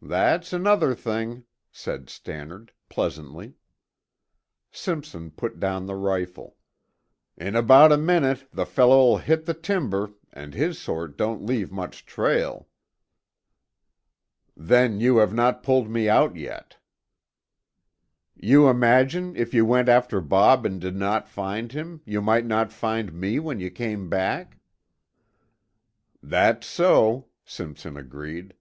"That's another thing," said Stannard pleasantly. Simpson put down the rifle. "In about a minute the fellow'll hit the timber and his sort don't leave much trail. Then you have not pulled out yet." "You imagine if you went after Bob and did not find him, you might not find me when you came back?" "That's so," Simpson agreed.